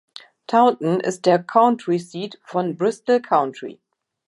Taunton ist der County Seat von Bristol County.